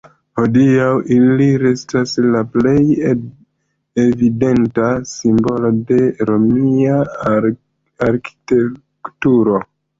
Hodiaŭ ili restas "la plej evidenta simbolo de romia arkitekturo".